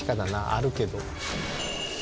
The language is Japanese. あるけど。